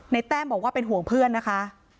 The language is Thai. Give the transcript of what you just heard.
แต้มบอกว่าเป็นห่วงเพื่อนนะคะ